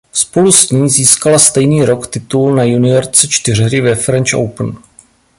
Spolu s ní získala stejný rok titul na juniorce čtyřhry ve French Open.